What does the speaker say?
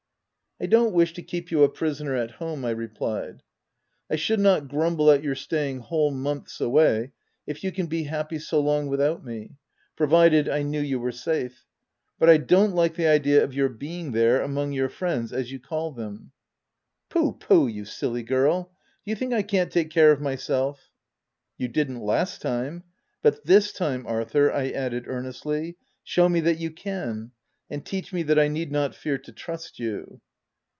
" I don't wish to keep you a prisoner at home," I replied :" I should not grumble at your staying whole months away — if you can be happy so long without me — provided, I knew you were safe ; but I don't like the idea of your being there, among your friends, as you call them." " Pooh, pooh, you silly girl ! Do you think I can't take care of myself?" " You didn't last time. — But this time, Ar thur," I added, earnestly, " show me that you can, and teach me that I need not fear to trust you